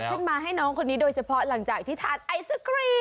มาให้น้องคนนี้โดยเฉพาะหลังจากที่ทานไอศกรีม